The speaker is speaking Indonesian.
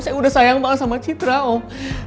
saya udah sayang banget sama citra oh